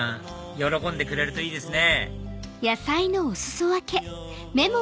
喜んでくれるといいですね